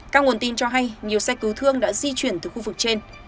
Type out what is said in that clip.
các nguồn tin cho hay nhiều xe cứu thương đã di chuyển từ khu vực trên